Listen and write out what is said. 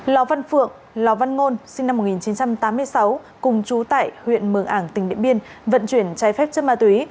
lò văn phượng lò văn ngôn sinh năm một nghìn chín trăm tám mươi sáu cùng chú tại huyện mường ảng tỉnh điện biên vận chuyển trái phép chất ma túy